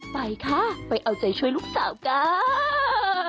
ไปค่ะไปเอาใจช่วยลูกสาวจ้า